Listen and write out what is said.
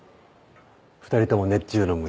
２人とも熱中の虫。